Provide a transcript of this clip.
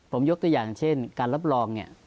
ผมยกตัวอย่างเช่นการรับรองเนี่ย